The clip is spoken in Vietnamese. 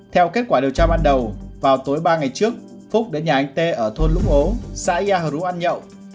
theo kết quả điều tra ban đầu vào tối ba ngày trước phúc đến nhà anh tê ở thôn lũng ố xã yà hờ rú ăn nhậu